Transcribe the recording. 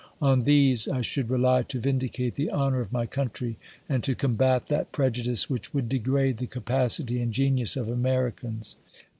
297 On these I should rely to vindicate the honor of my country, and to combat that prejudice, which would degrade the capacity and genius of Americans.